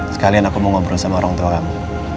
sekalian aku mau ngobrol sama orang tua kamu